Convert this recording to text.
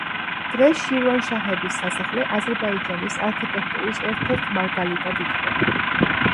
დღეს შირვანშაჰების სასახლე აზერბაიჯანის არქიტექტურის ერთ-ერთ მარგალიტად ითვლება.